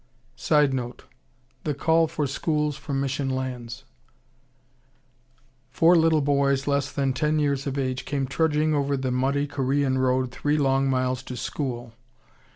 [Sidenote: The call for schools from mission lands.] Four little boys less than ten years of age came trudging over the muddy Korean road three long miles to school.